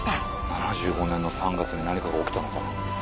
７５年の３月に何かが起きたのか。